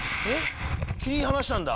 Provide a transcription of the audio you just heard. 切り離したんだ。